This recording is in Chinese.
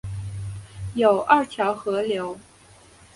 有二条河流